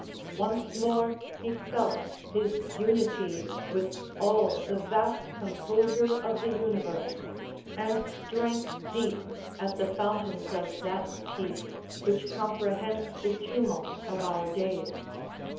Once more he felt his unity with all The vast composure of the universe, And drank deep at the fountains of that peace Which comprehends the tumult of our days.